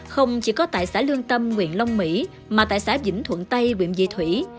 không chỉ có tại xã lương tâm nguyện long mỹ mà tại xã vĩnh thuận tây quyện dị thủy